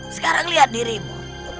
sekarang lihat dirimu